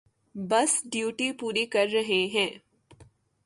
بس ڈیوٹی پوری کر رہے ہیں۔